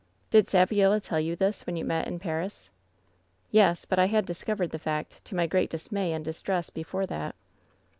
" ^Did Saviola tell you this when you met in Paris V ^^ 'Yes, but I had discovered the fact, to my great dis may and distress, before that.'